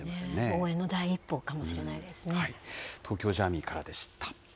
応援の第一歩かもしれないで東京ジャーミイからでした。